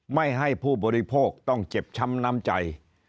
ไม่ให้ผู้บริโภคต้องเจ็บช้ำน้ำใจ